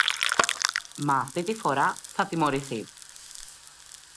Μα αυτή τη φορά θα τιμωρηθεί!